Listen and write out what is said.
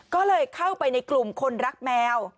ก็เลยเข้าไปในกลุ่มคนรักแมว